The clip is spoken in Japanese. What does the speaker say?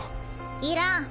いらん。